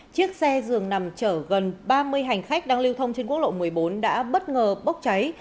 chiếc xe dường nằm chở gần ba mươi hành khách đang lưu thông trên quốc lộ một mươi bốn đã bất ngờ bốc cháy